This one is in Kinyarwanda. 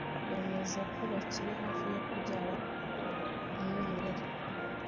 bemeza ko kiri hafi yo kubyara umwimerere